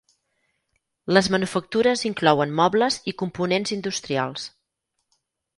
Les manufactures inclouen mobles i components industrials.